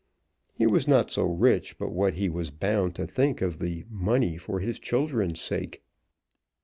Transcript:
He was not so rich but what he was bound to think of the money, for his children's sake.